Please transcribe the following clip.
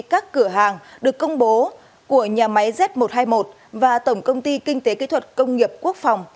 các cửa hàng được công bố của nhà máy z một trăm hai mươi một và tổng công ty kinh tế kỹ thuật công nghiệp quốc phòng